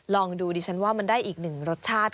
ลองดูดิฉันว่ามันได้อีกหนึ่งรสชาติ